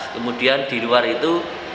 kemudian di luar itu